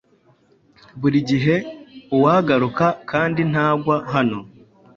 Burigihe uwagaruka kandi ntagwa hano